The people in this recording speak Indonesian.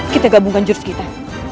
kita gabungkan jurus kita